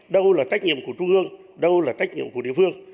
đâu là trách nhiệm của trung ương đâu là trách nhiệm của địa phương